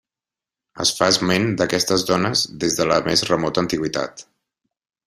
Es fa esment d'aquestes dones des de la més remota antiguitat.